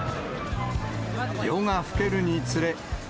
夜がふけるにつれ。